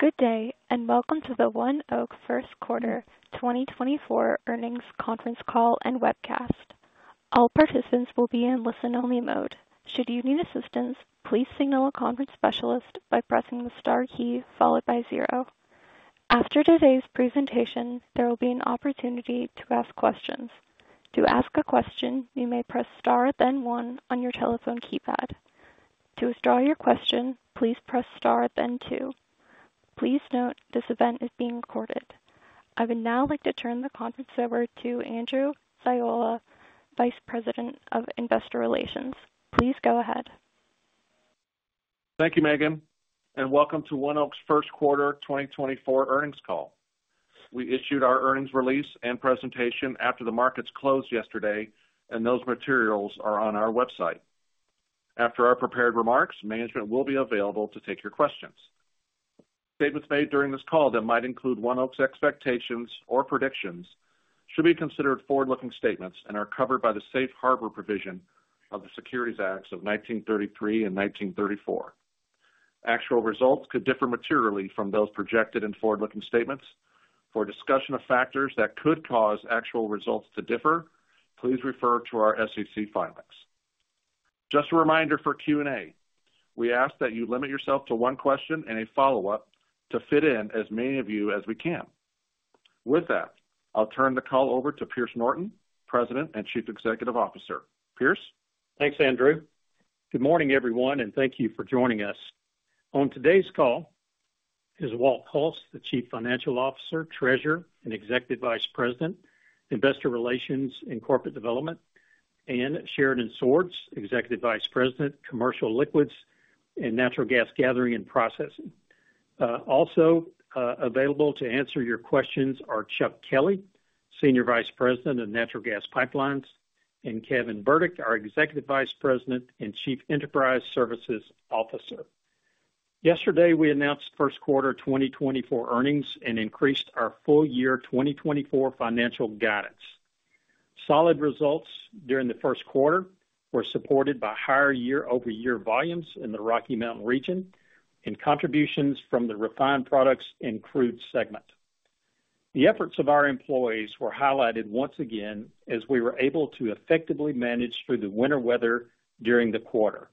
Good day, and welcome to the ONEOK first quarter 2024 earnings conference call and webcast. All participants will be in listen-only mode. Should you need assistance, please signal a conference specialist by pressing the star key followed by 0. After today's presentation, there will be an opportunity to ask questions. To ask a question, you may press star then 1 on your telephone keypad. To withdraw your question, please press star then 2. Please note, this event is being recorded. I would now like to turn the conference over to Andrew Ziola, Vice President of Investor Relations. Please go ahead. Thank you, Megan, and welcome to ONEOK's first quarter 2024 earnings call. We issued our earnings release and presentation after the markets closed yesterday, and those materials are on our website. After our prepared remarks, management will be available to take your questions. Statements made during this call that might include ONEOK's expectations or predictions should be considered forward-looking statements and are covered by the Safe Harbor provision of the Securities Acts of 1933 and 1934. Actual results could differ materially from those projected in forward-looking statements. For a discussion of factors that could cause actual results to differ, please refer to our SEC filings. Just a reminder for Q&A, we ask that you limit yourself to one question and a follow-up to fit in as many of you as we can. With that, I'll turn the call over to Pierce Norton, President and Chief Executive Officer. Pierce? Thanks, Andrew. Good morning, everyone, and thank you for joining us. On today's call is Walt Hulse, the Chief Financial Officer, Treasurer, and Executive Vice President, Investor Relations and Corporate Development, and Sheridan Swords, Executive Vice President, Commercial Liquids and Natural Gas Gathering and Processing. Also, available to answer your questions are Chuck Kelley, Senior Vice President of Natural Gas Pipelines, and Kevin Burdick, our Executive Vice President and Chief Enterprise Services Officer. Yesterday, we announced first quarter 2024 earnings and increased our full year 2024 financial guidance. Solid results during the first quarter were supported by higher year-over-year volumes in the Rocky Mountain region and contributions from the refined products and crude segment. The efforts of our employees were highlighted once again, as we were able to effectively manage through the winter weather during the quarter.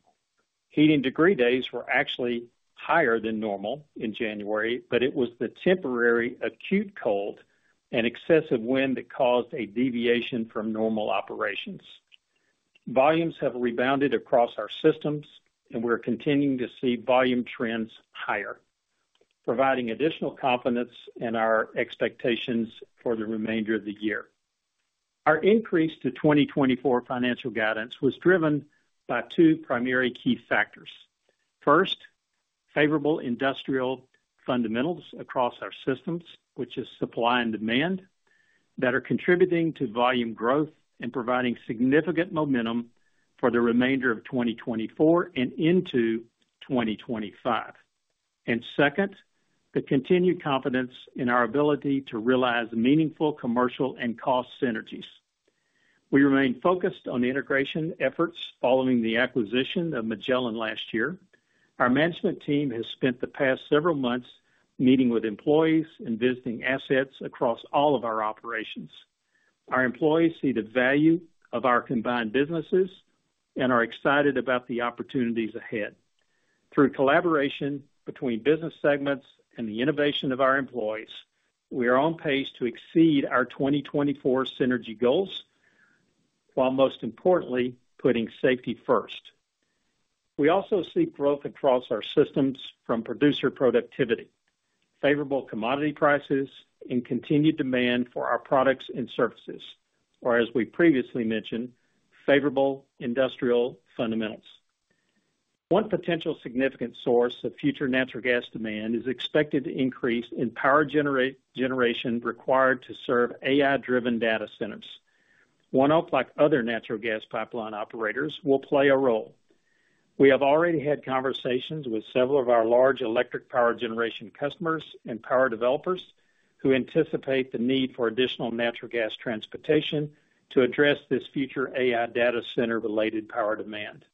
Heating degree days were actually higher than normal in January, but it was the temporary acute cold and excessive wind that caused a deviation from normal operations. Volumes have rebounded across our systems, and we're continuing to see volume trends higher, providing additional confidence in our expectations for the remainder of the year. Our increase to 2024 financial guidance was driven by two primary key factors. First, favorable industrial fundamentals across our systems, which is supply and demand, that are contributing to volume growth and providing significant momentum for the remainder of 2024 and into 2025. And second, the continued confidence in our ability to realize meaningful commercial and cost synergies. We remain focused on the integration efforts following the acquisition of Magellan last year. Our management team has spent the past several months meeting with employees and visiting assets across all of our operations. Our employees see the value of our combined businesses and are excited about the opportunities ahead. Through collaboration between business segments and the innovation of our employees, we are on pace to exceed our 2024 synergy goals, while most importantly, putting safety first. We also see growth across our systems from producer productivity, favorable commodity prices, and continued demand for our products and services, or as we previously mentioned, favorable industrial fundamentals. One potential significant source of future natural gas demand is expected to increase in power generation required to serve AI-driven data centers. ONEOK, like other natural gas pipeline operators, will play a role. We have already had conversations with several of our large electric power generation customers and power developers who anticipate the need for additional natural gas transportation to address this future AI data center-related power demand.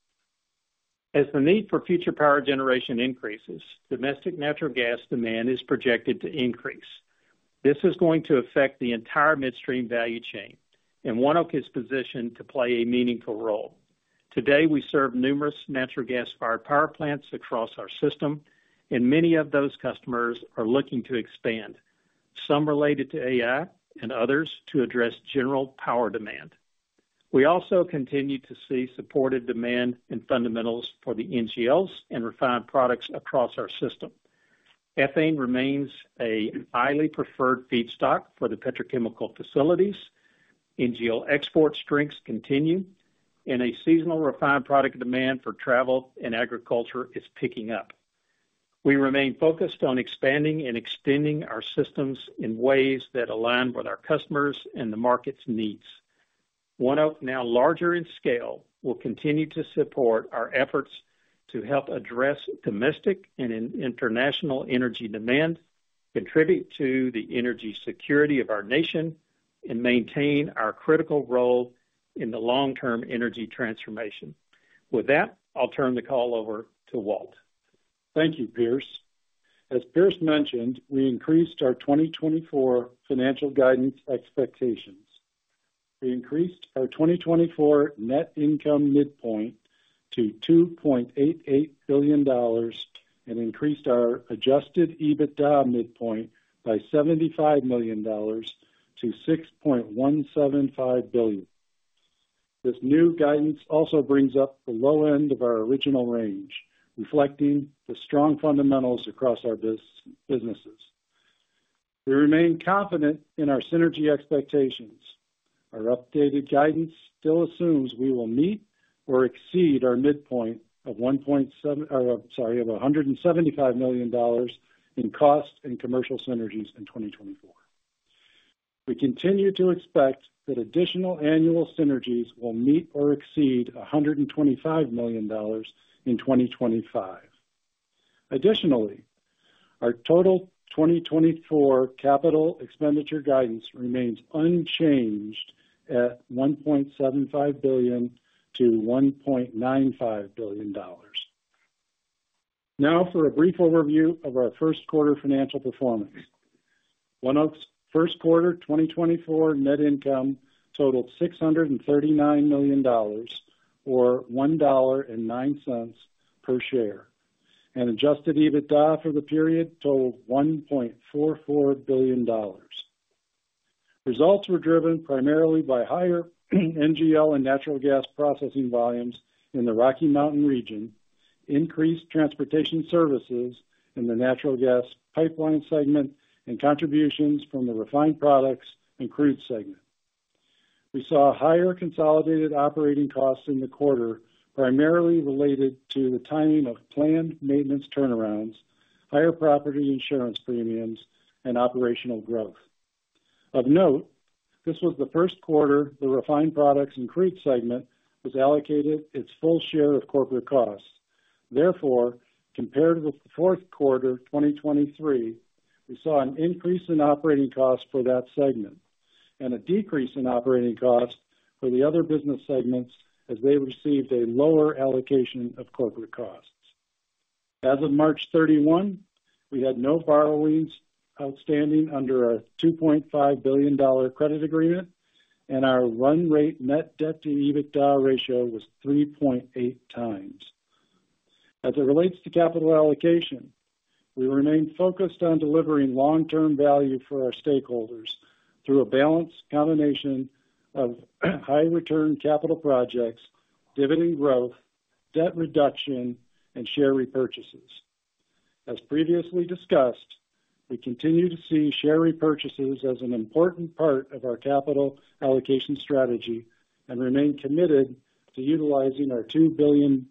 As the need for future power generation increases, domestic natural gas demand is projected to increase. This is going to affect the entire midstream value chain, and ONEOK is positioned to play a meaningful role. Today, we serve numerous natural gas-fired power plants across our system, and many of those customers are looking to expand, some related to AI and others to address general power demand. We also continue to see supported demand and fundamentals for the NGLs and refined products across our system. Ethane remains a highly preferred feedstock for the petrochemical facilities. NGL export strengths continue, and a seasonal refined product demand for travel and agriculture is picking up. We remain focused on expanding and extending our systems in ways that align with our customers and the market's needs. ONEOK, now larger in scale, will continue to support our efforts to help address domestic and international energy demand-... contribute to the energy security of our nation and maintain our critical role in the long-term energy transformation. With that, I'll turn the call over to Walt. Thank you, Pierce. As Pierce mentioned, we increased our 2024 financial guidance expectations. We increased our 2024 net income midpoint to $2.88 billion and increased our adjusted EBITDA midpoint by $75 million to $6.175 billion. This new guidance also brings up the low end of our original range, reflecting the strong fundamentals across our businesses. We remain confident in our synergy expectations. Our updated guidance still assumes we will meet or exceed our midpoint of $175 million in cost and commercial synergies in 2024. We continue to expect that additional annual synergies will meet or exceed $125 million in 2025. Additionally, our total 2024 capital expenditure guidance remains unchanged at $1.75 billion-$1.95 billion. Now, for a brief overview of our first quarter financial performance. ONEOK's first quarter 2024 net income totaled $639 million, or $1.09 per share, and Adjusted EBITDA for the period totaled $1.44 billion. Results were driven primarily by higher NGL and natural gas processing volumes in the Rocky Mountain region, increased transportation services in the natural gas pipeline segment, and contributions from the refined products and crude segment. We saw higher consolidated operating costs in the quarter, primarily related to the timing of planned maintenance turnarounds, higher property insurance premiums, and operational growth. Of note, this was the first quarter the refined products and crude segment was allocated its full share of corporate costs. Therefore, compared to the fourth quarter of 2023, we saw an increase in operating costs for that segment and a decrease in operating costs for the other business segments as they received a lower allocation of corporate costs. As of March 31, we had no borrowings outstanding under our $2.5 billion credit agreement, and our run rate net debt to EBITDA ratio was 3.8 times. As it relates to capital allocation, we remain focused on delivering long-term value for our stakeholders through a balanced combination of high return capital projects, dividend growth, debt reduction, and share repurchases. As previously discussed, we continue to see share repurchases as an important part of our capital allocation strategy and remain committed to utilizing our $2 billion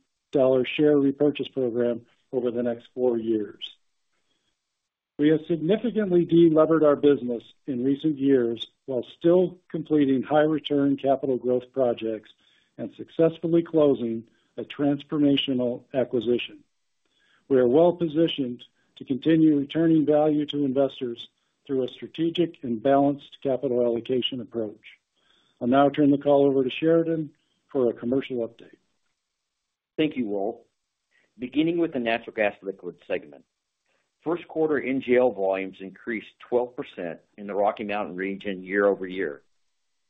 share repurchase program over the next four years. We have significantly de-levered our business in recent years, while still completing high return capital growth projects and successfully closing a transformational acquisition. We are well-positioned to continue returning value to investors through a strategic and balanced capital allocation approach. I'll now turn the call over to Sheridan for a commercial update. Thank you, Walt. Beginning with the natural gas liquid segment, first quarter NGL volumes increased 12% in the Rocky Mountain region year-over-year,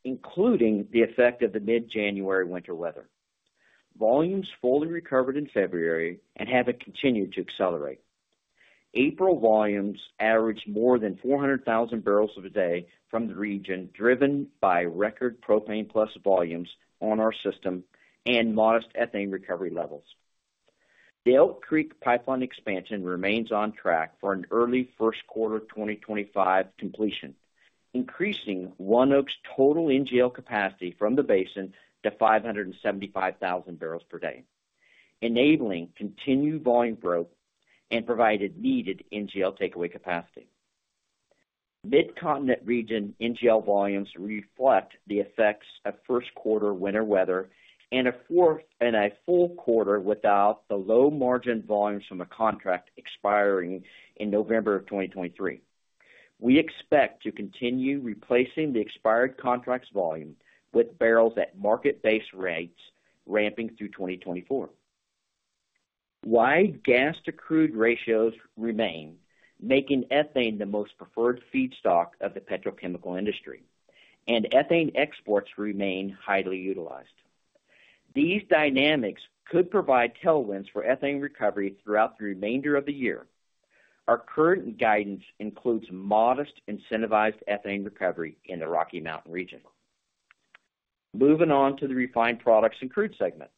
including the effect of the mid-January winter weather. Volumes fully recovered in February and have continued to accelerate. April volumes averaged more than 400,000 barrels a day from the region, driven by record propane plus volumes on our system and modest ethane recovery levels. The Elk Creek Pipeline expansion remains on track for an early first quarter 2025 completion, increasing ONEOK's total NGL capacity from the basin to 575,000 barrels per day, enabling continued volume growth and provided needed NGL takeaway capacity. Mid-Continent region NGL volumes reflect the effects of first quarter winter weather and a fourth and a full quarter without the low-margin volumes from a contract expiring in November 2023. We expect to continue replacing the expired contracts volume with barrels at market-based rates, ramping through 2024. Wide gas to crude ratios remain, making ethane the most preferred feedstock of the petrochemical industry, and ethane exports remain highly utilized. These dynamics could provide tailwinds for ethane recovery throughout the remainder of the year. Our current guidance includes modest incentivized ethane recovery in the Rocky Mountain region. Moving on to the refined products and crude segment.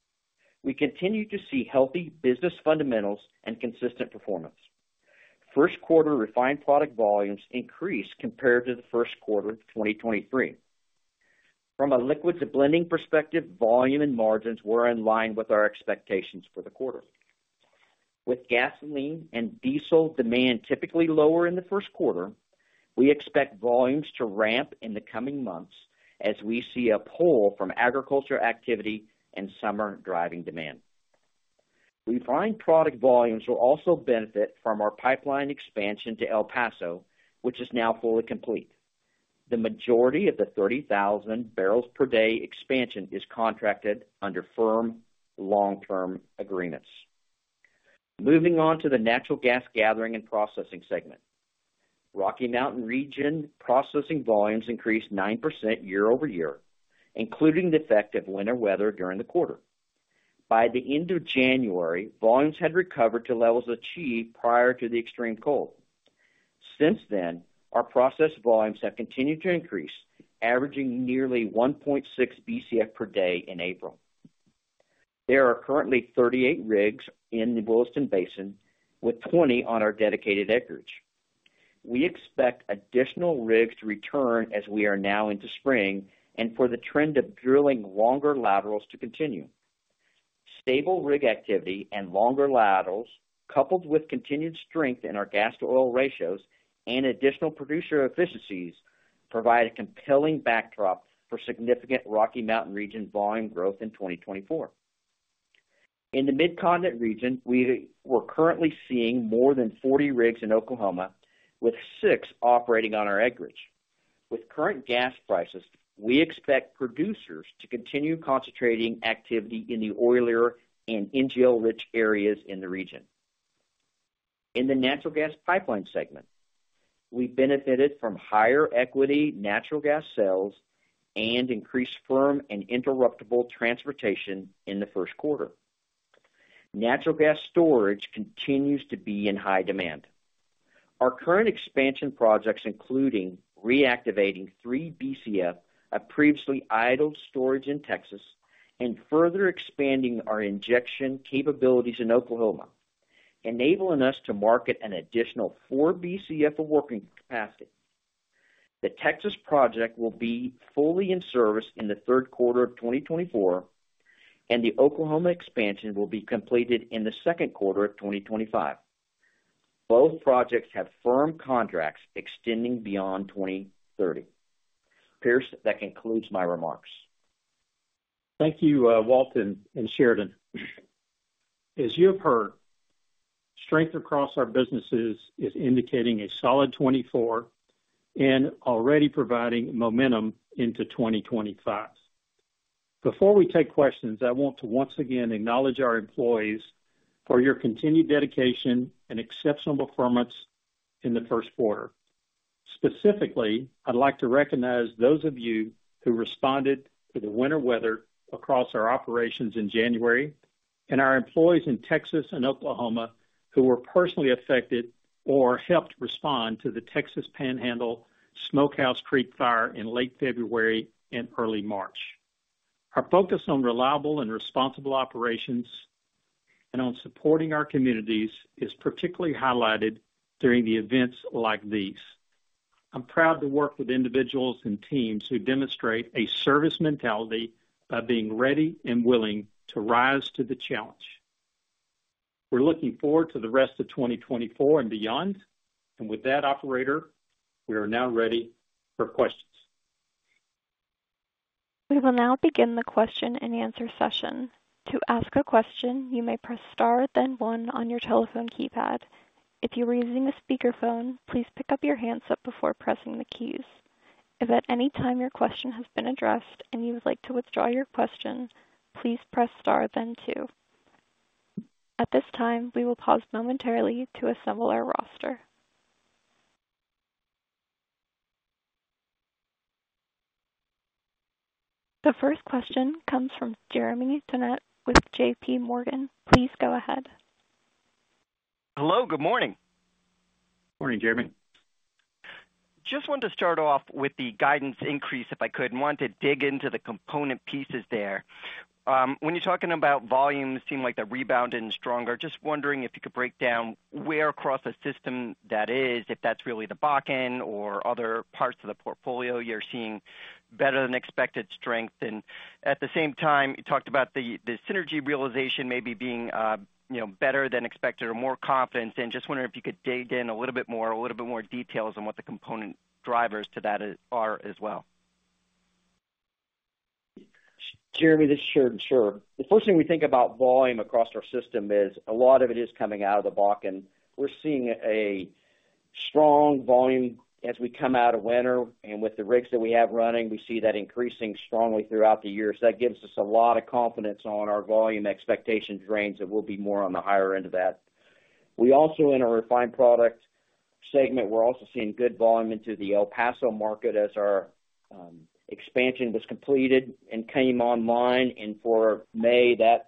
We continue to see healthy business fundamentals and consistent performance. First quarter refined product volumes increased compared to the first quarter of 2023. From a liquids and blending perspective, volume and margins were in line with our expectations for the quarter. With gasoline and diesel demand typically lower in the first quarter, we expect volumes to ramp in the coming months as we see a pull from agriculture activity and summer driving demand.... We find product volumes will also benefit from our pipeline expansion to El Paso, which is now fully complete. The majority of the 30,000 barrels per day expansion is contracted under firm long-term agreements. Moving on to the natural gas gathering and processing segment. Rocky Mountain region processing volumes increased 9% year-over-year, including the effect of winter weather during the quarter. By the end of January, volumes had recovered to levels achieved prior to the extreme cold. Since then, our processing volumes have continued to increase, averaging nearly 1.6 BCF per day in April. There are currently 38 rigs in the Williston Basin, with 20 on our dedicated acreage. We expect additional rigs to return as we are now into spring and for the trend of drilling longer laterals to continue. Stable rig activity and longer laterals, coupled with continued strength in our gas to oil ratios and additional producer efficiencies, provide a compelling backdrop for significant Rocky Mountain region volume growth in 2024. In the Mid-Continent region, we're currently seeing more than 40 rigs in Oklahoma, with six operating on our acreage. With current gas prices, we expect producers to continue concentrating activity in the oilier and NGL-rich areas in the region. In the natural gas pipeline segment, we benefited from higher equity natural gas sales and increased firm and interruptible transportation in the first quarter. Natural gas storage continues to be in high demand. Our current expansion projects, including reactivating 3 BCF of previously idle storage in Texas and further expanding our injection capabilities in Oklahoma, enabling us to market an additional 4 BCF of working capacity. The Texas project will be fully in service in the third quarter of 2024, and the Oklahoma expansion will be completed in the second quarter of 2025. Both projects have firm contracts extending beyond 2030. Pierce, that concludes my remarks. Thank you, Walt and Sheridan. As you have heard, strength across our businesses is indicating a solid 2024 and already providing momentum into 2025. Before we take questions, I want to once again acknowledge our employees for your continued dedication and exceptional performance in the first quarter. Specifically, I'd like to recognize those of you who responded to the winter weather across our operations in January, and our employees in Texas and Oklahoma who were personally affected or helped respond to the Texas Panhandle Smokehouse Creek Fire in late February and early March. Our focus on reliable and responsible operations and on supporting our communities is particularly highlighted during the events like these. I'm proud to work with individuals and teams who demonstrate a service mentality by being ready and willing to rise to the challenge. We're looking forward to the rest of 2024 and beyond. With that, operator, we are now ready for questions. We will now begin the question-and-answer session. To ask a question, you may press star, then one on your telephone keypad. If you are using a speakerphone, please pick up your handset before pressing the keys. If at any time your question has been addressed and you would like to withdraw your question, please press star, then two. At this time, we will pause momentarily to assemble our roster. The first question comes from Jeremy Tonet with JPMorgan. Please go ahead. Hello, good morning. Morning, Jeremy. Just wanted to start off with the guidance increase, if I could, and want to dig into the component pieces there. When you're talking about volumes, seem like they're rebounding stronger. Just wondering if you could break down where across the system that is, if that's really the back end or other parts of the portfolio you're seeing better than expected strength. And at the same time, you talked about the, the synergy realization maybe being, you know, better than expected or more confidence, and just wondering if you could dig in a little bit more, a little bit more details on what the component drivers to that is, are as well. Jeremy, this is Sheridan. Sure. The first thing we think about volume across our system is a lot of it is coming out of the Bakken. We're seeing a strong volume as we come out of winter, and with the rigs that we have running, we see that increasing strongly throughout the year. So that gives us a lot of confidence on our volume expectations range, that we'll be more on the higher end of that. We also, in our refined product segment, we're also seeing good volume into the El Paso market as our expansion was completed and came online. And for May, that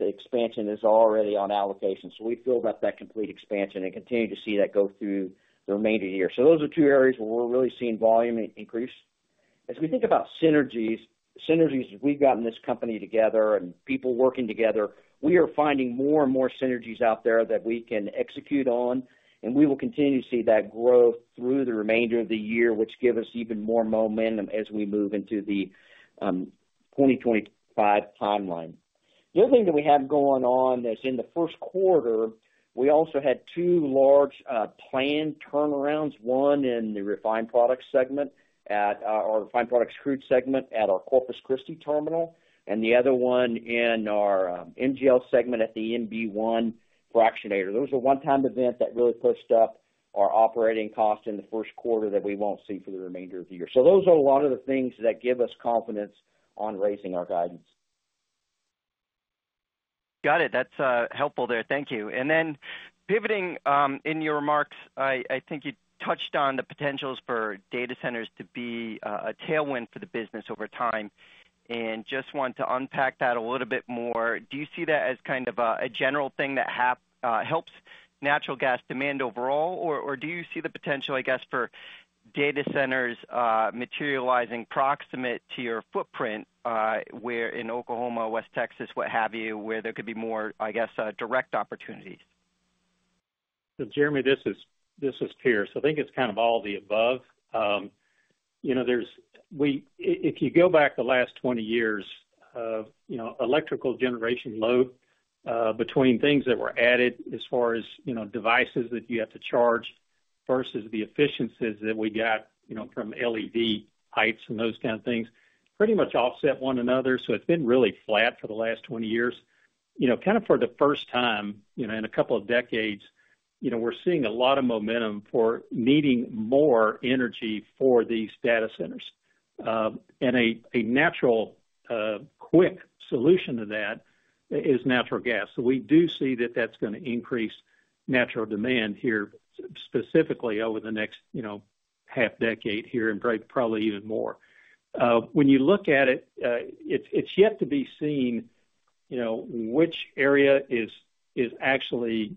expansion is already on allocation. So we feel about that complete expansion and continue to see that go through the remainder of the year. So those are two areas where we're really seeing volume increase. As we think about synergies, synergies, as we've gotten this company together and people working together, we are finding more and more synergies out there that we can execute on, and we will continue to see that growth through the remainder of the year, which give us even more momentum as we move into the 2025 timeline.... The other thing that we have going on is in the first quarter, we also had two large, planned turnarounds, one in the refined products segment at, our refined products crude segment at our Corpus Christi terminal, and the other one in our, NGL segment at the MB-1 fractionator. Those are one-time event that really pushed up our operating cost in the first quarter that we won't see for the remainder of the year. So those are a lot of the things that give us confidence on raising our guidance. Got it. That's helpful there. Thank you. And then pivoting, in your remarks, I, I think you touched on the potentials for data centers to be a tailwind for the business over time, and just want to unpack that a little bit more. Do you see that as kind of a general thing that helps natural gas demand overall? Or do you see the potential, I guess, for data centers materializing proximate to your footprint, where in Oklahoma, West Texas, what have you, where there could be more, I guess, direct opportunities? So Jeremy, this is Pierce. I think it's kind of all the above. You know, there's we if you go back the last 20 years of, you know, electrical generation load, between things that were added as far as, you know, devices that you have to charge versus the efficiencies that we got, you know, from LED lights and those kind of things, pretty much offset one another. So it's been really flat for the last 20 years. You know, kind of for the first time, you know, in a couple of decades, you know, we're seeing a lot of momentum for needing more energy for these data centers. And a natural quick solution to that is natural gas. So we do see that that's gonna increase natural demand here, specifically over the next, you know, half decade here, and probably even more. When you look at it, it's yet to be seen, you know, which area is actually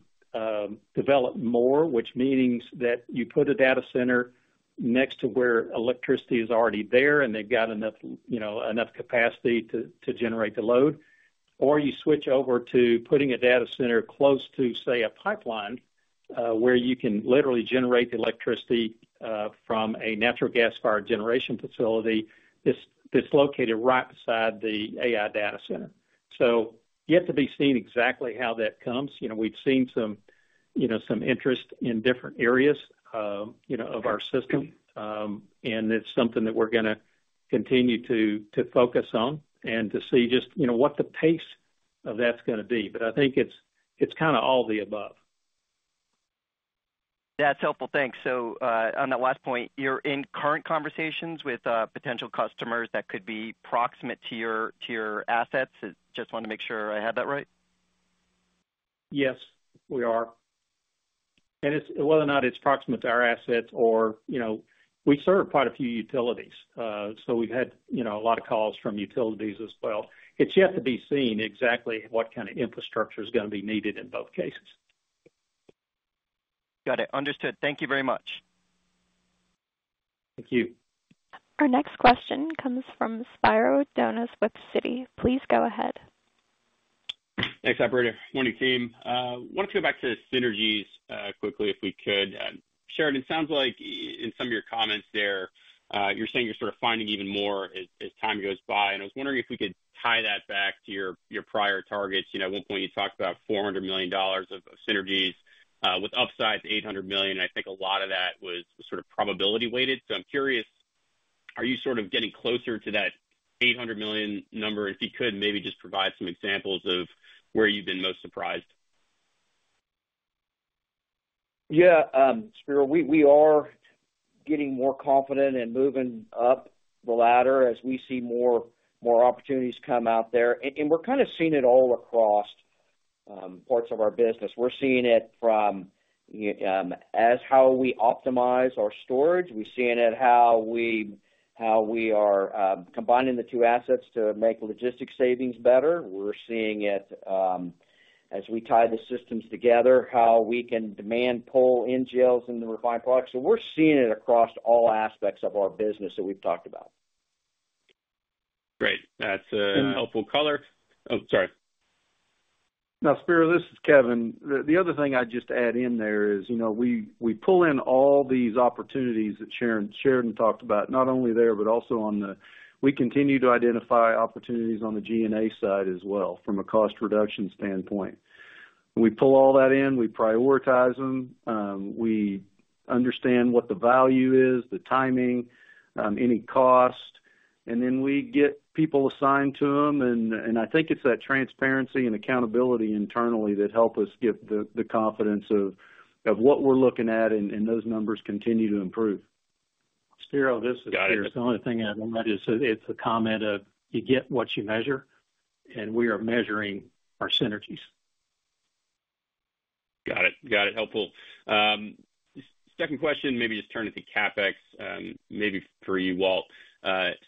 developed more, which means that you put a data center next to where electricity is already there, and they've got enough, you know, capacity to generate the load, or you switch over to putting a data center close to, say, a pipeline, where you can literally generate the electricity from a natural gas-fired generation facility that's located right beside the AI data center. So yet to be seen exactly how that comes. You know, we've seen some, you know, some interest in different areas, you know, of our system, and it's something that we're gonna continue to focus on and to see just, you know, what the pace of that's gonna be. I think it's kind of all the above. That's helpful. Thanks. So, on that last point, you're in current conversations with potential customers that could be proximate to your assets. Just want to make sure I have that right? Yes, we are. And it's whether or not it's proximate to our assets or, you know, we serve quite a few utilities, so we've had, you know, a lot of calls from utilities as well. It's yet to be seen exactly what kind of infrastructure is gonna be needed in both cases. Got it. Understood. Thank you very much. Thank you. Our next question comes from Spiro Dounis with Citi. Please go ahead. Thanks, operator. Morning, team. Wanted to go back to synergies quickly, if we could. Sheridan, it sounds like in some of your comments there, you're saying you're sort of finding even more as time goes by, and I was wondering if we could tie that back to your prior targets. You know, at one point, you talked about $400 million of synergies with upsides, $800 million. I think a lot of that was sort of probability weighted. So I'm curious, are you sort of getting closer to that $800 million number? If you could, maybe just provide some examples of where you've been most surprised. Yeah, Spiro, we are getting more confident and moving up the ladder as we see more opportunities come out there. And we're kind of seeing it all across parts of our business. We're seeing it from as how we optimize our storage. We're seeing it how we are combining the two assets to make logistics savings better. We're seeing it as we tie the systems together, how we can demand pull NGLs in the refined products. So we're seeing it across all aspects of our business that we've talked about. Great. That's a helpful color. Oh, sorry. No, Spiro, this is Kevin. The other thing I'd just add in there is, you know, we pull in all these opportunities that Sheridan talked about, not only there, but also on the, we continue to identify opportunities on the GA side as well, from a cost reduction standpoint. We pull all that in, we prioritize them, we understand what the value is, the timing, any cost, and then we get people assigned to them. And I think it's that transparency and accountability internally that help us get the confidence of what we're looking at, and those numbers continue to improve. Spiro, this is Pierce. Got it. The only thing I'd add is that it's a comment of, you get what you measure, and we are measuring our synergies. Got it. Got it. Helpful. Second question, maybe just turn it to CapEx, maybe for you, Walt.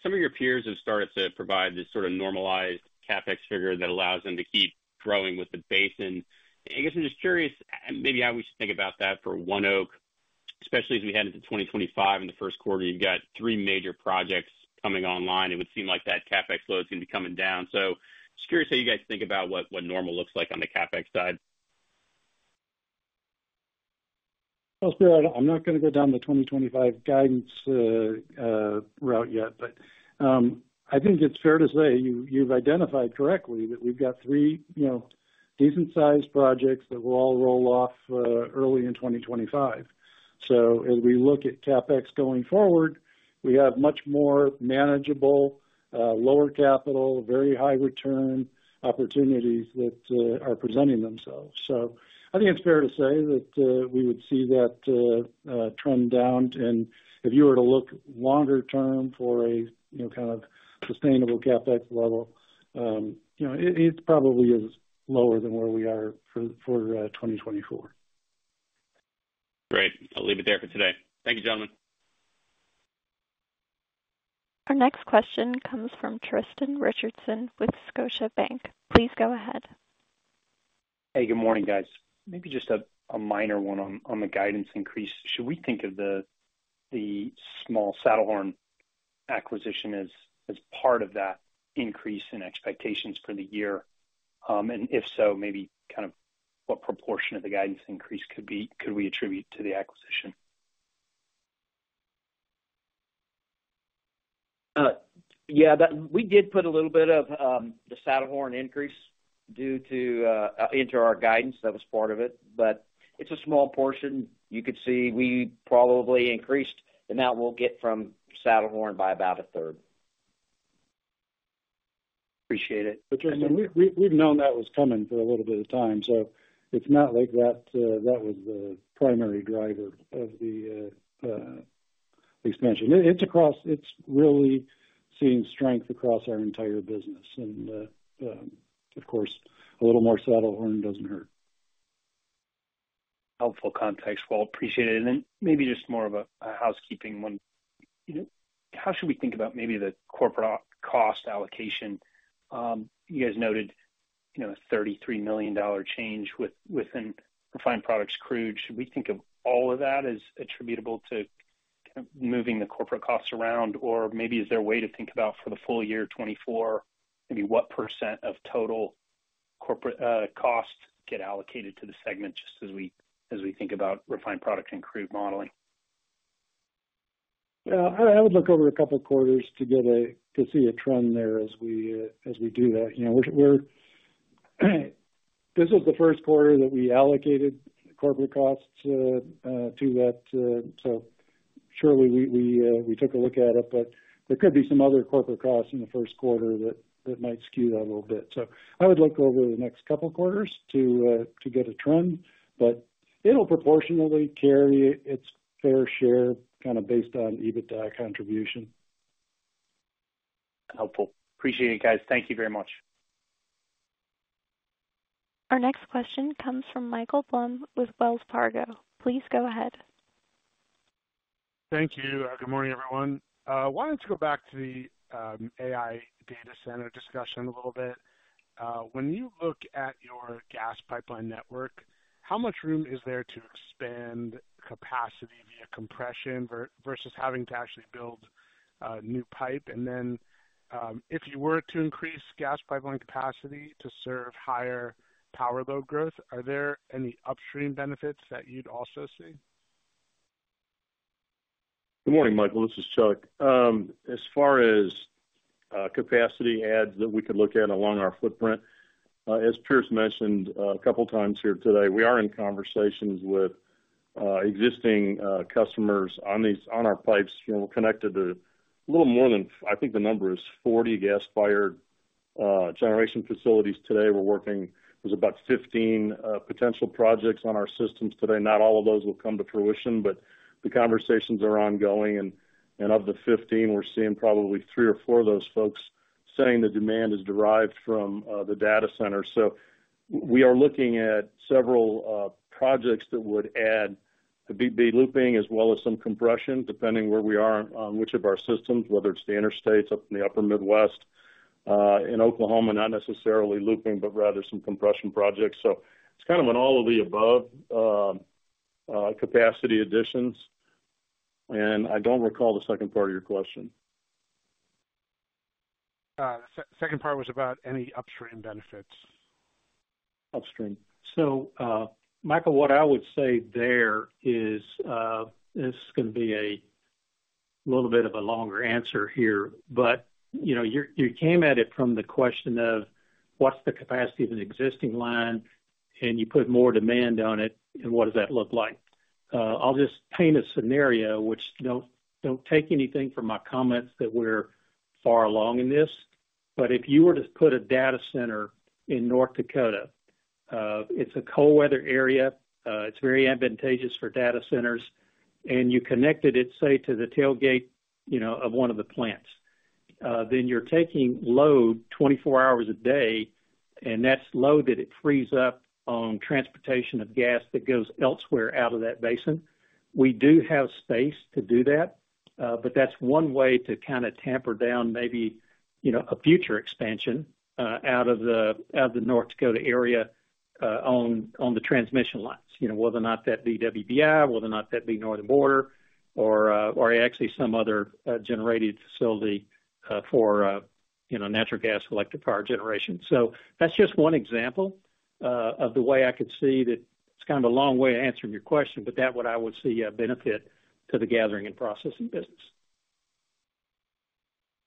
Some of your peers have started to provide this sort of normalized CapEx figure that allows them to keep growing with the basin. I guess I'm just curious, maybe how we should think about that for ONEOK, especially as we head into 2025. In the first quarter, you've got three major projects coming online. It would seem like that CapEx load is going to be coming down. So just curious how you guys think about what, what normal looks like on the CapEx side? ... Well, Stuart, I'm not gonna go down the 2025 guidance route yet, but I think it's fair to say you, you've identified correctly that we've got three, you know, decent sized projects that will all roll off early in 2025. So as we look at CapEx going forward, we have much more manageable lower capital, very high return opportunities that are presenting themselves. So I think it's fair to say that we would see that trend down. And if you were to look longer term for a, you know, kind of sustainable CapEx level, you know, it, it probably is lower than where we are for twenty twenty-four. Great. I'll leave it there for today. Thank you, gentlemen. Our next question comes from Tristan Richardson with Scotiabank. Please go ahead. Hey, good morning, guys. Maybe just a minor one on the guidance increase. Should we think of the small Saddlehorn acquisition as part of that increase in expectations for the year? And if so, maybe kind of what proportion of the guidance increase could we attribute to the acquisition? Yeah, that we did put a little bit of the Saddlehorn increase due to into our guidance. That was part of it, but it's a small portion. You could see we probably increased the amount we'll get from Saddlehorn by about a third. Appreciate it. But, Tristan, we've known that was coming for a little bit of time, so it's not like that was the primary driver of the expansion. It's across. It's really seeing strength across our entire business. And, of course, a little more Saddlehorn doesn't hurt. Helpful context. Well, appreciate it. And then maybe just more of a housekeeping one. How should we think about maybe the corporate cost allocation? You guys noted, you know, a $33 million change within Refined Products Crude. Should we think of all of that as attributable to kind of moving the corporate costs around? Or maybe is there a way to think about for the full year 2024, maybe what % of total corporate costs get allocated to the segment, just as we think about refined products and crude modeling? Yeah, I would look over a couple of quarters to see a trend there as we do that. You know, we're... This is the first quarter that we allocated corporate costs to that, so surely, we took a look at it, but there could be some other corporate costs in the first quarter that might skew that a little bit. So I would look over the next couple of quarters to get a trend, but it'll proportionately carry its fair share, kind of based on EBITDA contribution. Helpful. Appreciate it, guys. Thank you very much. Our next question comes from Michael Blum with Wells Fargo. Please go ahead. Thank you. Good morning, everyone. I wanted to go back to the AI data center discussion a little bit. When you look at your gas pipeline network, how much room is there to expand capacity via compression versus having to actually build new pipe? And then, if you were to increase gas pipeline capacity to serve higher power load growth, are there any upstream benefits that you'd also see? Good morning, Michael. This is Chuck. As far as capacity adds that we could look at along our footprint, as Pierce mentioned a couple of times here today, we are in conversations with existing customers on these, on our pipes. You know, we're connected to a little more than, I think the number is 40 gas-fired generation facilities today. We're working with about 15 potential projects on our systems today. Not all of those will come to fruition, but the conversations are ongoing, and of the 15, we're seeing probably three or four of those folks saying the demand is derived from the data center. So we are looking at several projects that would add the looping as well as some compression, depending where we are on which of our systems, whether it's the interstates up in the upper Midwest, in Oklahoma, not necessarily looping, but rather some compression projects. So it's kind of an all of the above capacity additions. And I don't recall the second part of your question. The second part was about any upstream benefits. Upstream. So, Michael, what I would say there is, this is gonna be a little bit of a longer answer here, but, you know, you're, you came at it from the question of what's the capacity of an existing line, and you put more demand on it, and what does that look like? I'll just paint a scenario which, don't, don't take anything from my comments that we're far along in this, but if you were to put a data center in North Dakota, it's a cold weather area, it's very advantageous for data centers, and you connected it, say, to the tailgate, you know, of one of the plants, then you're taking load 24 hours a day, and that's load that it frees up on transportation of gas that goes elsewhere out of that basin. We do have space to do that, but that's one way to kind of tamper down maybe, you know, a future expansion out of the North Dakota area on the transmission lines, you know, whether or not that be WBI, whether or not that be Northern Border or actually some other generated facility for capacity.... you know, natural gas, electric power generation. So that's just one example of the way I could see that. It's kind of a long way of answering your question, but that what I would see a benefit to the gathering and processing business.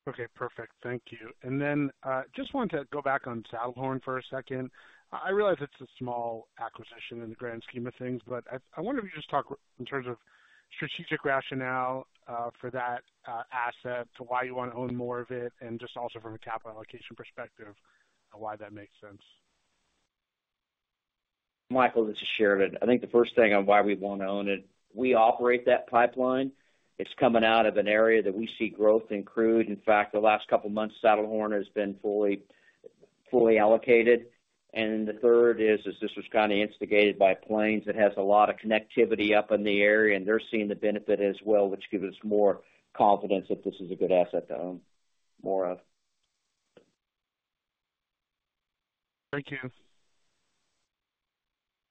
Okay, perfect. Thank you. And then, just wanted to go back on Saddlehorn for a second. I realize it's a small acquisition in the grand scheme of things, but I wonder if you just talk in terms of strategic rationale, for that asset, to why you want to own more of it, and just also from a capital allocation perspective, on why that makes sense. Michael, this is Sheridan. I think the first thing on why we want to own it, we operate that pipeline. It's coming out of an area that we see growth in crude. In fact, the last couple of months, Saddlehorn has been fully, fully allocated. And the third is, this was kind of instigated by Plains that has a lot of connectivity up in the area, and they're seeing the benefit as well, which gives us more confidence that this is a good asset to own more of. Thank you.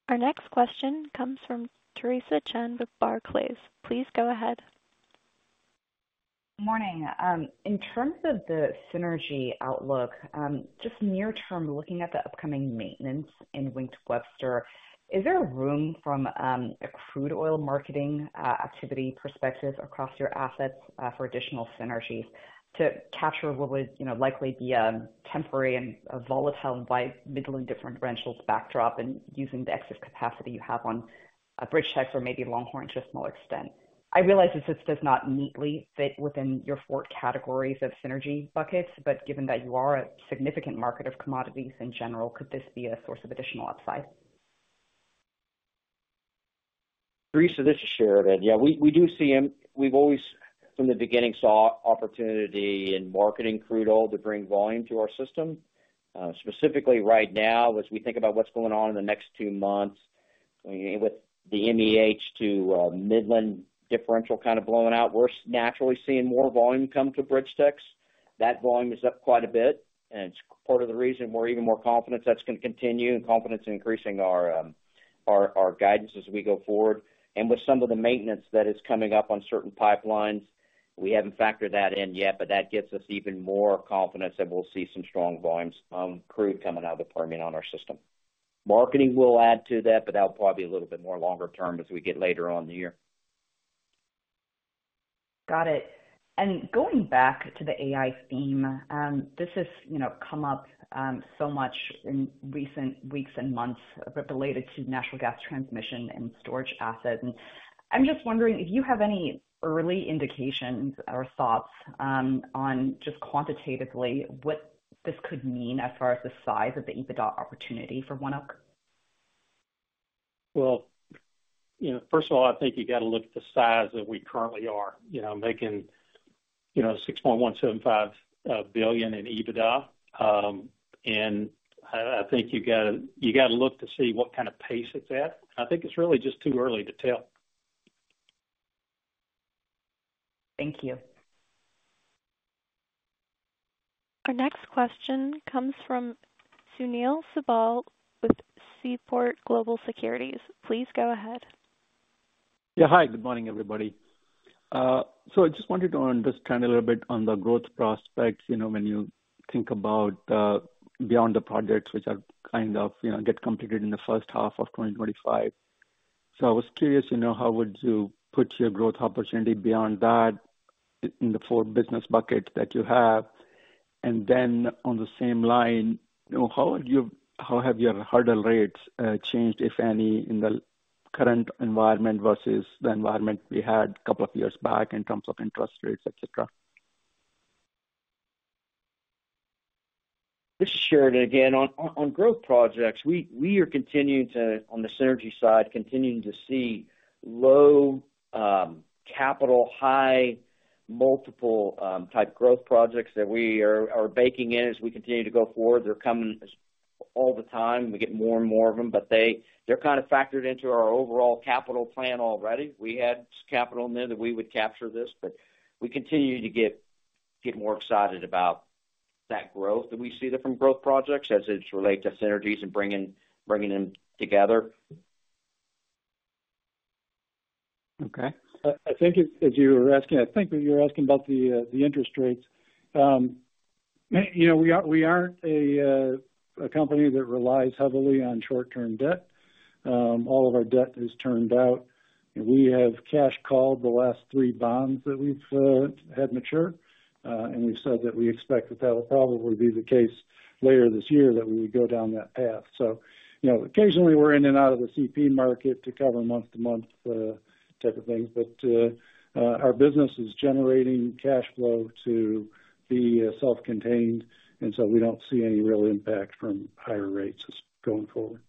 Our next question comes from Theresa Chen with Barclays. Please go ahead. Morning. In terms of the synergy outlook, just near term, looking at the upcoming maintenance in Wink-to-Webster, is there room from a crude oil marketing activity perspective across your assets for additional synergies to capture what would, you know, likely be a temporary and a volatile by Midland differential backdrop and using the excess capacity you have on BridgeTex or maybe Longhorn to a small extent? I realize this does not neatly fit within your four categories of synergy buckets, but given that you are a significant market of commodities in general, could this be a source of additional upside? Theresa, this is Sheridan. Yeah, we, we do see him. We've always, from the beginning, saw opportunity in marketing crude oil to bring volume to our system. Specifically right now, as we think about what's going on in the next two months, with the MEH to Midland differential kind of blowing out, we're naturally seeing more volume come to BridgeTex. That volume is up quite a bit, and it's part of the reason we're even more confident that's going to continue, and confidence in increasing our guidance as we go forward. With some of the maintenance that is coming up on certain pipelines, we haven't factored that in yet, but that gives us even more confidence that we'll see some strong volumes on crude coming out of the Permian on our system. Marketing will add to that, but that'll probably be a little bit more longer term as we get later on in the year. Got it. And going back to the AI theme, this has, you know, come up so much in recent weeks and months, but related to natural gas transmission and storage assets. I'm just wondering if you have any early indications or thoughts on just quantitatively what this could mean as far as the size of the EBITDA opportunity for ONEOK? Well, you know, first of all, I think you got to look at the size that we currently are, you know, making, you know, $6.175 billion in EBITDA. And I think you gotta look to see what kind of pace it's at. I think it's really just too early to tell. Thank you. Our next question comes from Sunil Sibal with Seaport Global Securities. Please go ahead. Yeah, hi, good morning, everybody. So I just wanted to understand a little bit on the growth prospects, you know, when you think about, beyond the projects which are kind of, you know, get completed in the first half of 2025. So I was curious, you know, how would you put your growth opportunity beyond that in the four business buckets that you have? And then on the same line, you know, how would you—how have your hurdle rates, changed, if any, in the current environment versus the environment we had a couple of years back in terms of interest rates, et cetera? This is Sheridan again. On growth projects, we are continuing to, on the synergy side, continuing to see low capital, high multiple type growth projects that we are baking in as we continue to go forward. They're coming all the time. We get more and more of them, but they're kind of factored into our overall capital plan already. We had capital in there that we would capture this, but we continue to get more excited about that growth that we see different growth projects as it relates to synergies and bringing them together. Okay. I think if you were asking, I think you're asking about the interest rates. You know, we aren't a company that relies heavily on short-term debt. All of our debt is term out, and we have called the last three bonds that we've had mature, and we've said that we expect that will probably be the case later this year, that we would go down that path. So, you know, occasionally we're in and out of the CP market to cover month to month type of things, but our business is generating cash flow to be self-contained, and so we don't see any real impact from higher rates going forward.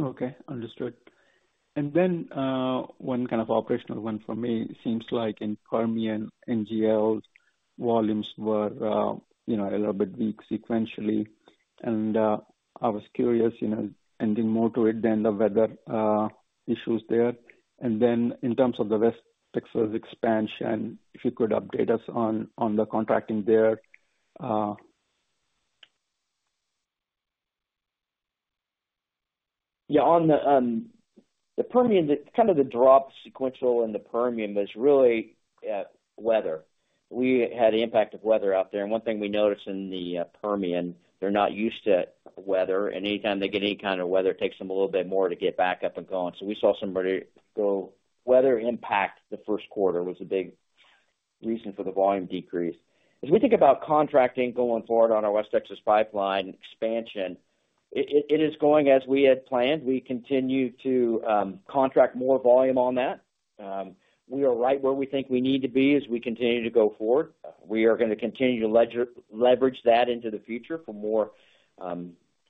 Okay, understood. And then, one kind of operational one for me. Seems like in Permian, NGLs volumes were, you know, a little bit weak sequentially, and, I was curious, you know, anything more to it than the weather, issues there? And then in terms of the West Texas expansion, if you could update us on, on the contracting there,... Yeah, on the Permian, the kind of the drop sequential in the Permian was really weather. We had the impact of weather out there, and one thing we noticed in the Permian, they're not used to weather, and anytime they get any kind of weather, it takes them a little bit more to get back up and going. So weather impact the first quarter was a big reason for the volume decrease. As we think about contracting going forward on our West Texas pipeline expansion, it is going as we had planned. We continue to contract more volume on that. We are right where we think we need to be as we continue to go forward. We are going to continue to leverage that into the future for more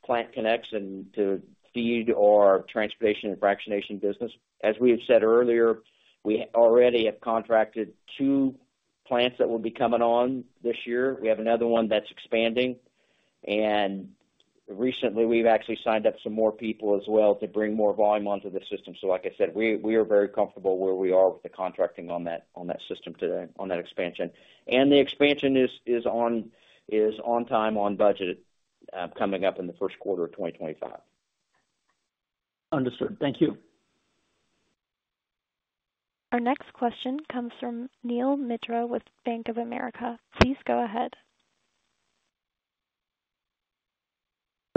plant connects and to feed our transportation and fractionation business. As we had said earlier, we already have contracted two plants that will be coming on this year. We have another one that's expanding, and recently we've actually signed up some more people as well to bring more volume onto the system. So like I said, we are very comfortable where we are with the contracting on that system today, on that expansion. And the expansion is on time, on budget, coming up in the first quarter of 2025. Understood. Thank you. Our next question comes from Neel Mitra with Bank of America. Please go ahead.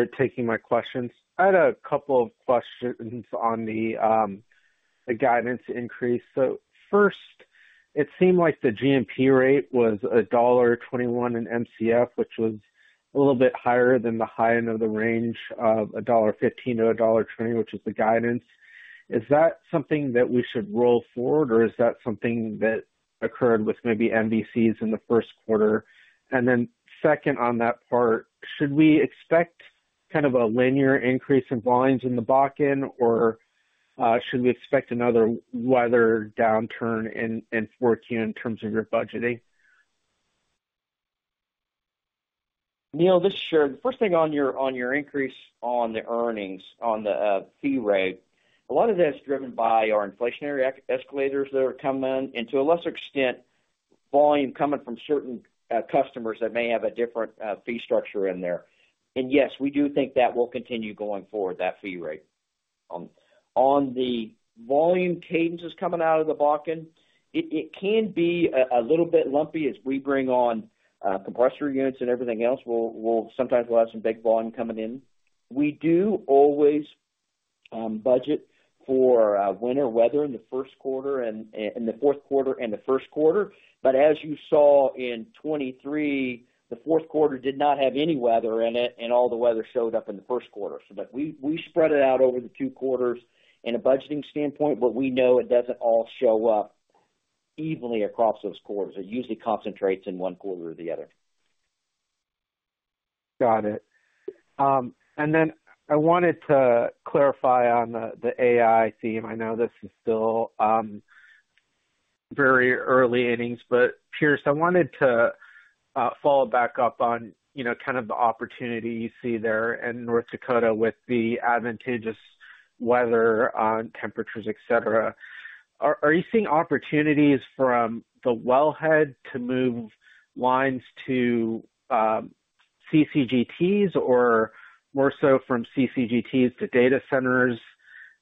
For taking my questions. I had a couple of questions on the, the guidance increase. So first, it seemed like the GPM rate was $1.21 per MCF, which was a little bit higher than the high end of the range of $1.15-$1.20, which is the guidance. Is that something that we should roll forward, or is that something that occurred with maybe MBCs in the first quarter? And then second, on that part, should we expect kind of a linear increase in volumes in the Bakken, or, should we expect another weather downturn in fourth Q in terms of your budgeting? Neil, this is Sheridan. First thing on your increase on the earnings, on the fee rate. A lot of that's driven by our inflationary escalators that are coming in, and to a lesser extent, volume coming from certain customers that may have a different fee structure in there. And yes, we do think that will continue going forward, that fee rate. On the volume cadences coming out of the Bakken, it can be a little bit lumpy as we bring on compressor units and everything else. We'll sometimes have some big volume coming in. We do always budget for winter weather in the first quarter and the first quarter. But as you saw in 2023, the fourth quarter did not have any weather in it, and all the weather showed up in the first quarter. So but we, we spread it out over the two quarters in a budgeting standpoint, but we know it doesn't all show up evenly across those quarters. It usually concentrates in one quarter or the other. Got it. And then I wanted to clarify on the AI theme. I know this is still very early innings, but Pierce, I wanted to follow back up on, you know, kind of the opportunity you see there in North Dakota with the advantageous weather, temperatures, et cetera. Are you seeing opportunities from the wellhead to move lines to CCGTs, or more so from CCGTs to data centers?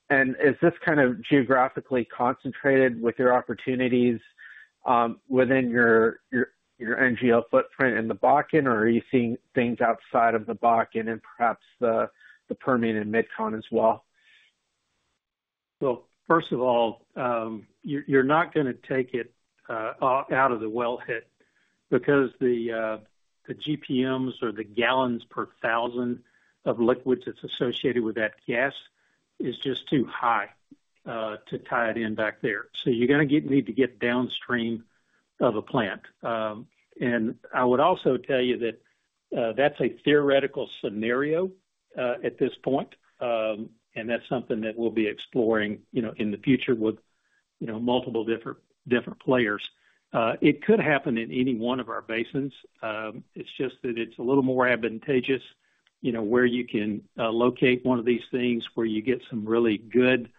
And is this kind of geographically concentrated with your opportunities within your NGL footprint in the Bakken? Or are you seeing things outside of the Bakken and perhaps the Permian and Mid-Con as well? Well, first of all, you're not gonna take it out of the wellhead because the GPMs or the gallons per thousand of liquids that's associated with that gas is just too high to tie it in back there. So you're gonna need to get downstream of a plant. And I would also tell you that that's a theoretical scenario at this point, and that's something that we'll be exploring, you know, in the future with, you know, multiple different players. It could happen in any one of our basins. It's just that it's a little more advantageous, you know, where you can locate one of these things, where you get some really good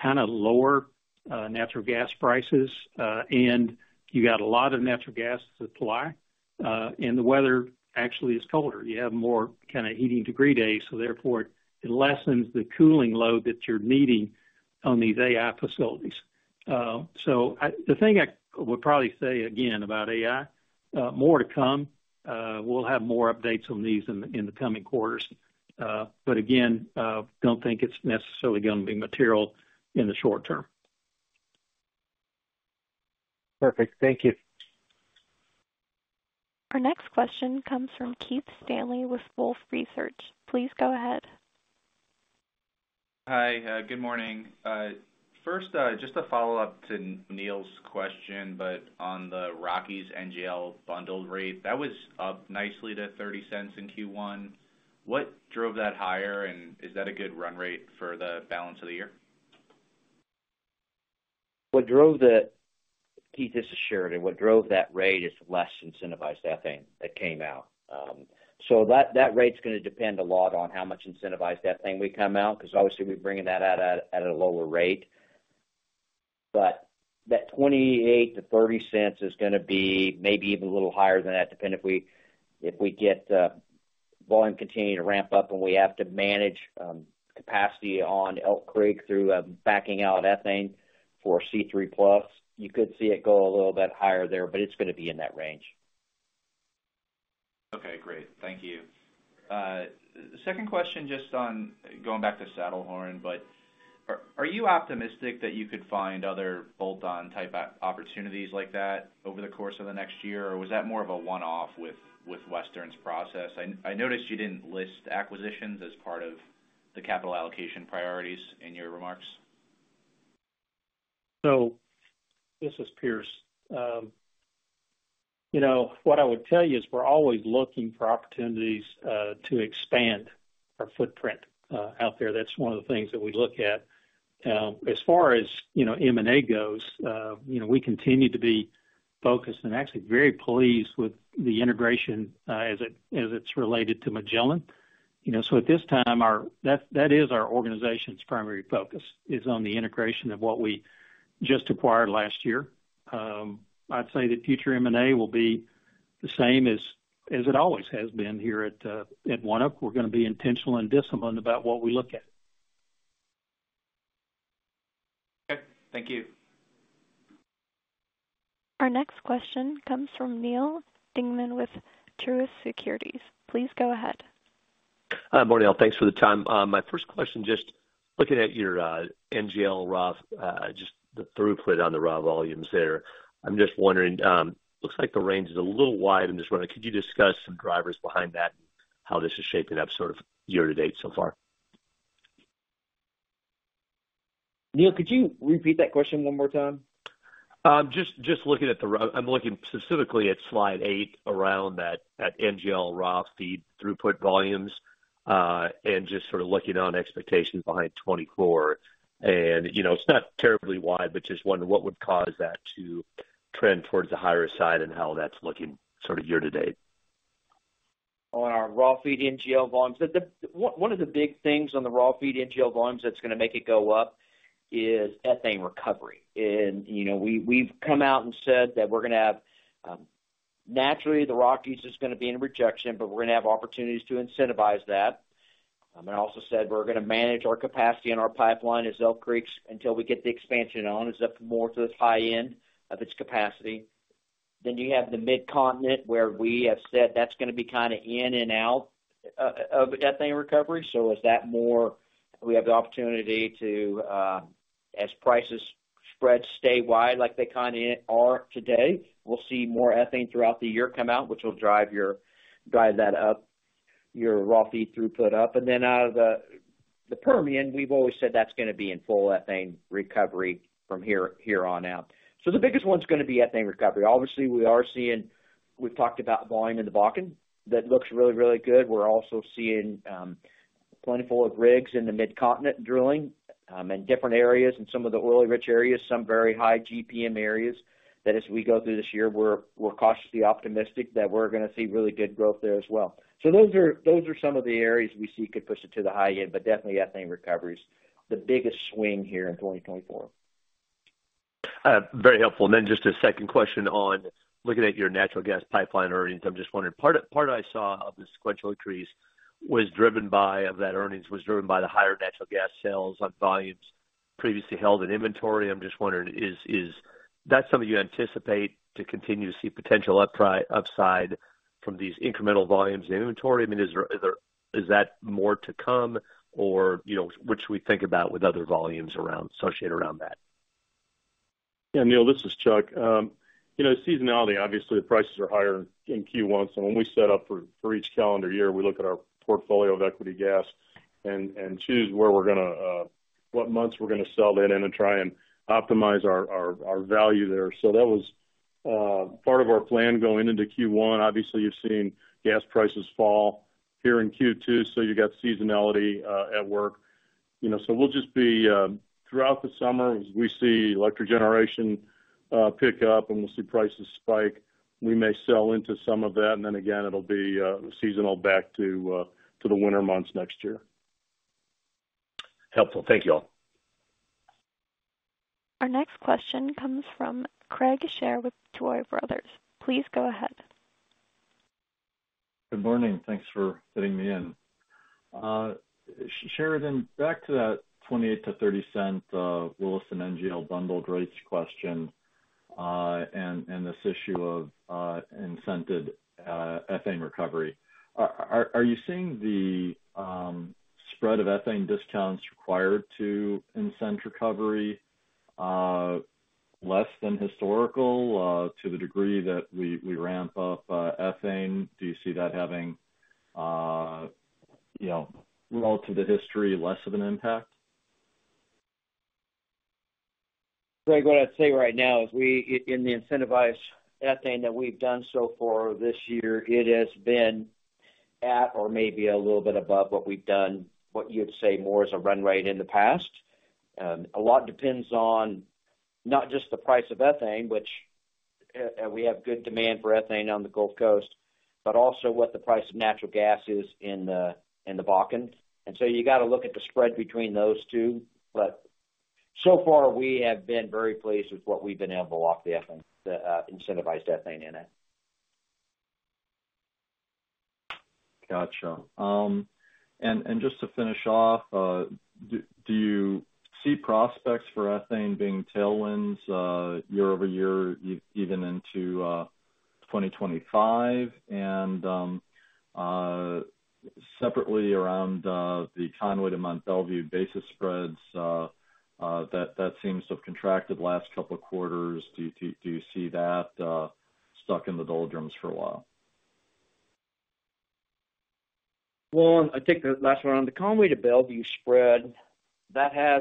kind of lower natural gas prices, and you got a lot of natural gas supply, and the weather actually is colder. You have more kind of heating degree days, so therefore it lessens the cooling load that you're needing on these AI facilities. So the thing I would probably say again about AI, more to come. We'll have more updates on these in the coming quarters. But again, don't think it's necessarily going to be material in the short term. Perfect. Thank you. Our next question comes from Keith Stanley with Wolfe Research. Please go ahead. Hi, good morning. First, just a follow-up to Neel's question, but on the Rockies NGL bundle rate, that was up nicely to $0.30 in Q1. What drove that higher, and is that a good run rate for the balance of the year? What drove the... Keith, this is Sheridan. What drove that rate is less incentivized ethane that came out. So that, that rate's gonna depend a lot on how much incentivized ethane we come out, because obviously we're bringing that out at, at a lower rate. But that $0.28-$0.30 is gonna be maybe even a little higher than that, depend if we, if we get the volume continuing to ramp up and we have to manage, capacity on Elk Creek through, backing out ethane for C3 plus, you could see it go a little bit higher there, but it's gonna be in that range. Okay, great. Thank you. The second question, just on going back to Saddlehorn, but are you optimistic that you could find other bolt-on type opportunities like that over the course of the next year? Or was that more of a one-off with Western's process? I noticed you didn't list acquisitions as part of the capital allocation priorities in your remarks. So this is Pierce. You know, what I would tell you is we're always looking for opportunities to expand our footprint out there. That's one of the things that we look at. Now, as far as, you know, M&A goes, you know, we continue to be focused and actually very pleased with the integration, as it, as it's related to Magellan. You know, so at this time, our that, that is our organization's primary focus, is on the integration of what we just acquired last year. I'd say that future M&A will be the same as, as it always has been here at, at ONEOK. We're gonna be intentional and disciplined about what we look at. Okay, thank you. Our next question comes from Neal Dingmann with Truist Securities. Please go ahead. Hi, good morning, all. Thanks for the time. My first question, just looking at your NGL raw, just the throughput on the raw volumes there. I'm just wondering, looks like the range is a little wide. I'm just wondering, could you discuss some drivers behind that and how this is shaping up sort of year-to-date so far? Neel, could you repeat that question one more time? Just, just looking at the—I'm looking specifically at slide 8, around that, that NGL raw feed throughput volumes, and just sort of looking on expectations behind 2024. And, you know, it's not terribly wide, but just wondering what would cause that to trend towards the higher side and how that's looking sort of year-to-date. On our raw feed NGL volumes. One of the big things on the raw feed NGL volumes that's gonna make it go up is ethane recovery. And, you know, we've come out and said that we're gonna have. Naturally, the Rockies is gonna be in rejection, but we're gonna have opportunities to incentivize that. I also said, we're gonna manage our capacity and our pipeline as Elk Creek's, until we get the expansion on, is up more to its high end of its capacity. Then you have the Mid-Continent, where we have said that's gonna be kinda in and out of ethane recovery. So as that more, we have the opportunity to, as prices spread, stay wide, like they kinda are today, we'll see more ethane throughout the year come out, which will drive that up, your raw feed throughput up. And then out of the Permian, we've always said that's gonna be in full ethane recovery from here on out. So the biggest one's gonna be ethane recovery. Obviously, we are seeing. We've talked about volume in the Bakken. That looks really, really good. We're also seeing, plenty of rigs in the Mid-Continent drilling, in different areas and some of the oil-rich areas, some very high GPM areas, that as we go through this year, we're cautiously optimistic that we're gonna see really good growth there as well. So those are some of the areas we see could push it to the high end, but definitely ethane recovery is the biggest swing here in 2024. Very helpful. And then just a second question on looking at your natural gas pipeline earnings. I'm just wondering, part I saw of the sequential increase was driven by, of that earnings, was driven by the higher natural gas sales on volumes previously held in inventory. I'm just wondering, is that something you anticipate to continue to see potential upside from these incremental volumes in inventory? I mean, is there more to come? Or, you know, what should we think about with other volumes around, associated around that? Yeah, Neil, this is Chuck. You know, seasonality, obviously, the prices are higher in Q1. So when we set up for each calendar year, we look at our portfolio of equity gas and choose where we're gonna what months we're gonna sell in and to try and optimize our value there. So that was part of our plan going into Q1. Obviously, you've seen gas prices fall here in Q2, so you've got seasonality at work. You know, so we'll just be throughout the summer, as we see electric generation pick up and we'll see prices spike, we may sell into some of that, and then again, it'll be seasonal back to the winter months next year. Helpful. Thank you, all. Our next question comes from Craig Shere with Tuohy Brothers. Please go ahead. Good morning. Thanks for letting me in. Sheridan, back to that 28- to 30-cent Williston NGL bundled rates question, and this issue of incented ethane recovery. Are you seeing the spread of ethane discounts required to incent recovery less than historical to the degree that we ramp up ethane? Do you see that having you know, relative to history, less of an impact? Craig, what I'd say right now is we in the incentivized ethane that we've done so far this year, it has been at or maybe a little bit above what we've done, what you'd say more as a run rate in the past. A lot depends on not just the price of ethane, and we have good demand for ethane on the Gulf Coast, but also what the price of natural gas is in the Bakken. And so you got to look at the spread between those two. But so far, we have been very pleased with what we've been able to lock the ethane, the incentivized ethane in it. Gotcha. And just to finish off, do you see prospects for ethane being tailwinds, year over year, even into 2025? And separately around the Conway to Mont Belvieu basis spreads, that seems to have contracted last couple of quarters. Do you see that stuck in the doldrums for a while? Well, I'll take the last one. On the Conway to Belvieu spread, that has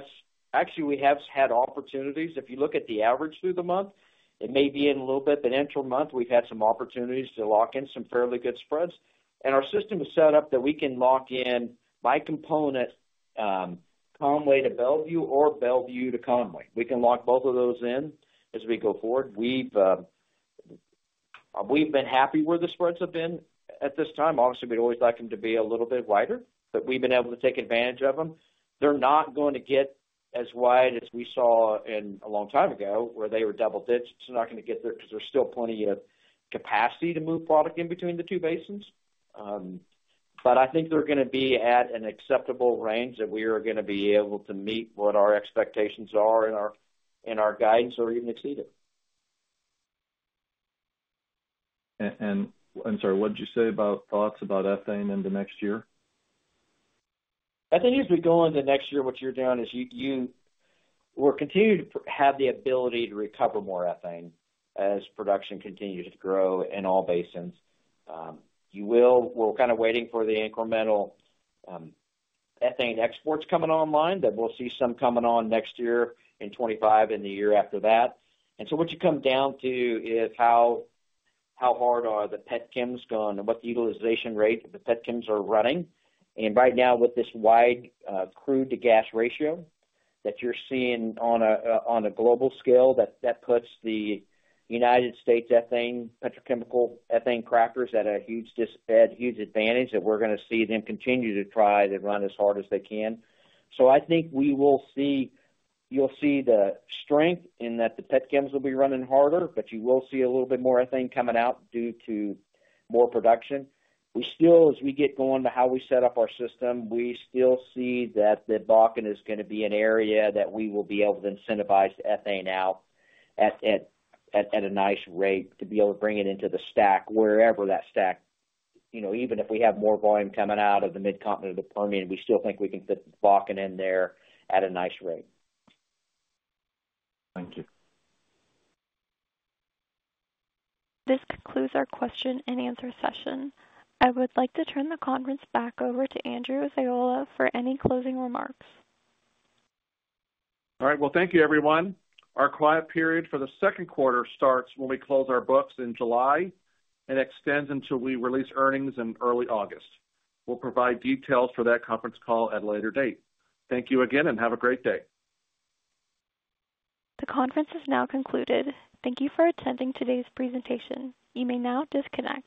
actually, we have had opportunities. If you look at the average through the month, it may be in a little bit, but intra-month, we've had some opportunities to lock in some fairly good spreads. And our system is set up that we can lock in by component, Conway to Belvieu or Belvieu to Conway. We can lock both of those in as we go forward. We've been happy where the spreads have been at this time. Obviously, we'd always like them to be a little bit wider, but we've been able to take advantage of them. They're not going to get as wide as we saw in a long time ago, where they were double digits. It's not going to get there because there's still plenty of capacity to move product in between the two basins. But I think they're going to be at an acceptable range, that we are going to be able to meet what our expectations are in our, in our guidance or even exceed it. I'm sorry, what did you say about thoughts about ethane into next year? I think as we go into next year, what you're doing is you-- we're continuing to have the ability to recover more ethane as production continues to grow in all basins. You will-- we're kind of waiting for the incremental, ethane exports coming online, that we'll see some coming on next year in 2025 and the year after that. And so what you come down to is how hard are the petchems going and what the utilization rate of the petchems are running. And right now, with this wide, crude to gas ratio that you're seeing on a, on a global scale, that puts the United States ethane, petrochemical ethane crackers at a huge disad- huge advantage, that we're going to see them continue to try to run as hard as they can. So I think we will see, you'll see the strength in that the petchems will be running harder, but you will see a little bit more ethane coming out due to more production. We still, as we get going to how we set up our system, we still see that the Bakken is going to be an area that we will be able to incentivize ethane out at a nice rate to be able to bring it into the stack, wherever that stack... You know, even if we have more volume coming out of the Mid-Continent or the Permian, we still think we can fit Bakken in there at a nice rate. Thank you. This concludes our question-and-answer session. I would like to turn the conference back over to Andrew Ziola for any closing remarks. All right, well, thank you, everyone. Our quiet period for the second quarter starts when we close our books in July and extends until we release earnings in early August. We'll provide details for that conference call at a later date. Thank you again, and have a great day. The conference is now concluded. Thank you for attending today's presentation. You may now disconnect.